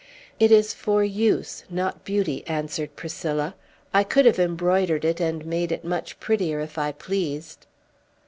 "It is for use, not beauty," answered Priscilla. "I could have embroidered it and made it much prettier, if I pleased."